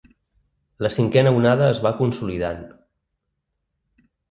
La cinquena onada es va consolidant.